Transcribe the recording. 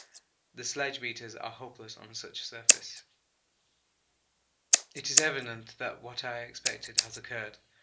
the sledge meters are hopeless on such a surface. It is evident that what I expected has occurred.